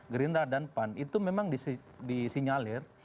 gerindra dan pan itu memang disinyalir